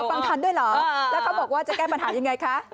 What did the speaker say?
ฟังทันด้วยเหรอแล้วเขาบอกว่าจะแก้ปัญหายังไงคะ